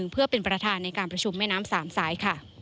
เพื่อเป็นประธานในการประชุมแม่น้ำสามสายค่ะ